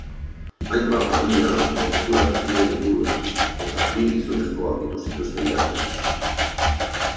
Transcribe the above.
Hainbat patruila gerturatu ziren ingurura, eta bi gizonezko aurkitu zituzten bertan.